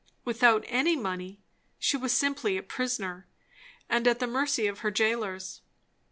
Without any money, she was simply a prisoner, and at the mercy of her jailers.